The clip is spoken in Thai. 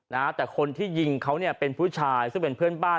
นะฮะแต่คนที่ยิงเขาเนี่ยเป็นผู้ชายซึ่งเป็นเพื่อนบ้าน